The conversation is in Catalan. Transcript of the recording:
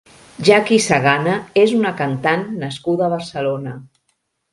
Jackie Sagana és una cantant nascuda a Barcelona.